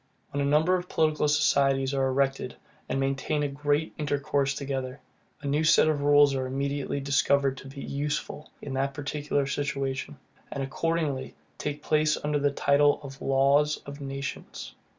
When a number of political societies are erected, and maintain a great intercourse together, a new set of rules are immediately discovered to be USEFUL in that particular situation; and accordingly take place under the title of Laws of Nations.